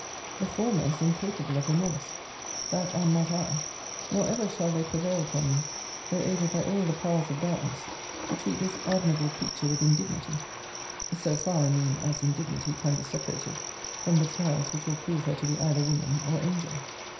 The former is incapable of remorse: that am not I nor ever shall they prevail upon me, though aided by all the powers of darkness, to treat this admirable creature with indignity so far, I mean, as indignity can be separated from the trials which will prove her to be either woman or angel.